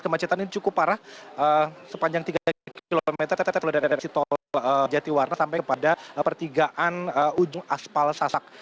kemacetan ini cukup parah sepanjang tiga km dari tol jatiwarna sampai kepada pertigaan ujung aspal sasak